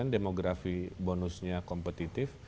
demografi bonusnya kompetitif